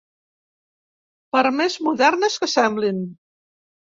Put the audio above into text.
Per més modernes que semblin.